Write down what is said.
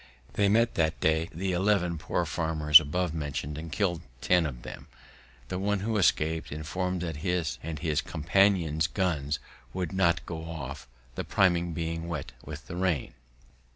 They met that day the eleven poor farmers above mentioned, and killed ten of them. The one who escap'd inform'd that his and his companions' guns would not go off, the priming being wet with the rain.